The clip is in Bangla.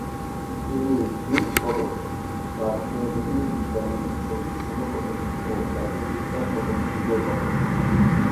তিনি ব্রুস পদক, রাজকীয় জ্যোতির্বিজ্ঞান সমিতির স্বর্ণপদক ও জাতীয় বিজ্ঞান পদক বিজয় করেন।